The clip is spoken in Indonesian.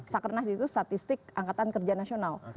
sakernas itu statistik angkatan kerja nasional